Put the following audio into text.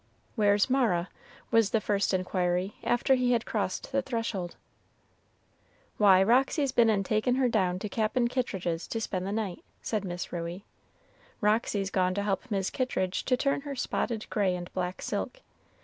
"Where's Mara?" was the first inquiry after he had crossed the threshold. "Why, Roxy's been an' taken her down to Cap'n Kittridge's to spend the night," said Miss Ruey. "Roxy's gone to help Mis' Kittridge to turn her spotted gray and black silk.